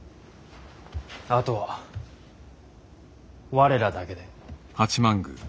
あとは我らだけで。